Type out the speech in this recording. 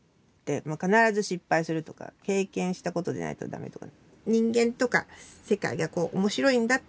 必ず失敗するとか経験したことでないとだめとか。